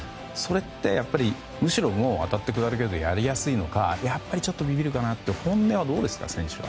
それってやっぱりむしろ当たって砕けろでやりやすいのかやっぱりちょっとびびるかなと選手の本音はどうですか。